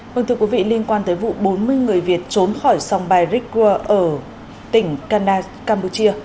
mừng thưa quý vị liên quan tới vụ bốn mươi người việt trốn khỏi sông bairikwa ở tỉnh kandahar campuchia